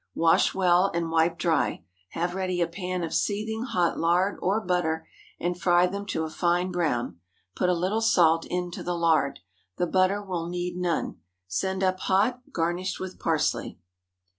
Wash well, and wipe dry. Have ready a pan of seething hot lard or butter, and fry them to a fine brown. Put a little salt into the lard. The butter will need none. Send up hot, garnished with parsley.